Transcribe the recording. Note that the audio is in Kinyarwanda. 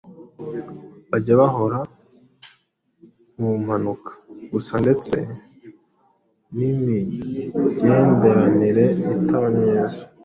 bajya bahora mu mpanuka gusa ndetse n’imigenderanire itaba myiza